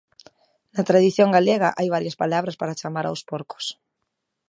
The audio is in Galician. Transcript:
Na tradición galega hai varias palabras para chamar aos porcos.